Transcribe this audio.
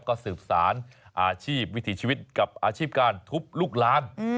ก็สืบสารอาชีพวิถีชีวิตกับอาชีพการทุบลูกล้าน